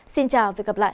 xin chào và hẹn gặp lại